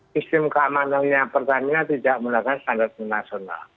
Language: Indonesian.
sistem keamanannya pertamina tidak menggunakan standar internasional